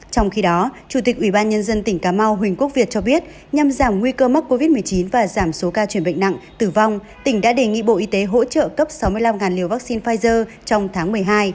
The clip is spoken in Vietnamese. trong khi đó chủ tịch ủy ban nhân dân tỉnh cà mau huỳnh quốc việt cho biết nhằm giảm nguy cơ mắc covid một mươi chín và giảm số ca chuyển bệnh nặng tử vong tỉnh đã đề nghị bộ y tế hỗ trợ cấp sáu mươi năm liều vaccine pfizer trong tháng một mươi hai